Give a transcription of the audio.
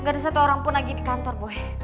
gak ada satu orang pun lagi di kantor boleh